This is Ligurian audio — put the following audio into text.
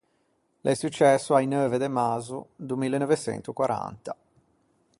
L’é successo a-i neuve de mazzo do mille neuve çento quaranta.